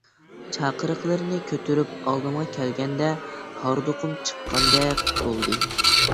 چاقىرىقلىرىنى كۆتۈرۈپ ئالدىمغا كەلگەندە ھاردۇقۇم چىققاندەك بولدى.